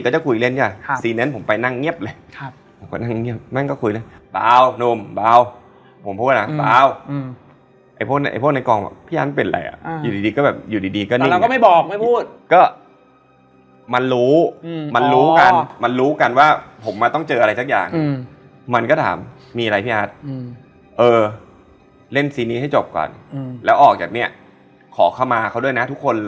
ใช่มี๒อย่าง๒ทางเลยต้องรุนไว้ว่าจะไปทางไหน